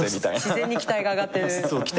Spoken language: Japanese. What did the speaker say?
自然に期待が上がってる。